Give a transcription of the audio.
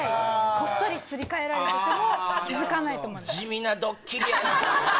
こっそりすり替えられてても気付かないと思います